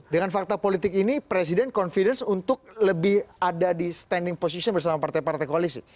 dengan fakta politik ini presiden confidence untuk lebih ada di standing position bersama partai partai koalisi